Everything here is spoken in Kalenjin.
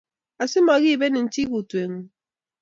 Asi magibenek chi, Utweng’ung’